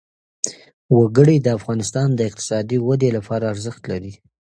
وګړي د افغانستان د اقتصادي ودې لپاره ارزښت لري.